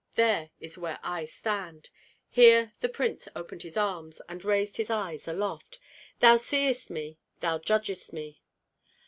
There is where I stand!" Here the prince opened his arms, and raised his eyes aloft: "Thou seest me, thou judgest me!"